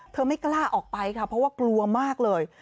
ไม่กล้าออกไปค่ะเพราะว่ากลัวมากเลย